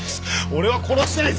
俺は殺してない。